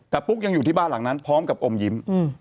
แต่ปุ๊กยังอยู่ที่บ้านหลังนั้นพร้อมกับอมยิ้ม